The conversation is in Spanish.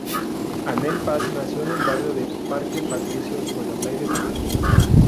Anel Paz nació en el barrio de Parque Patricios, Buenos Aires, Argentina.